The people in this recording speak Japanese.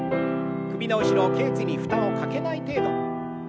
首の後ろけい椎に負担をかけない程度。